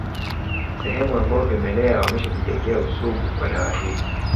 Sehemu ambazo vimelea wameshajijengea usugu kwa dawa hii